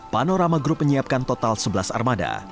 panorama group menyiapkan total sebelas armada